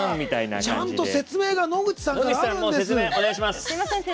ちゃんと説明が野口さんからあるんです。